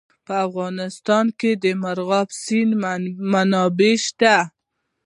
په افغانستان کې د مورغاب سیند منابع شته.